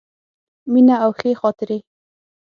مینه او ښې خاطرې.